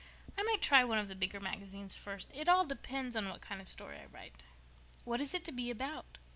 _" "I might try one of the bigger magazines first. It all depends on what kind of a story I write." "What is it to be about?"